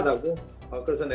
dia menanggung saya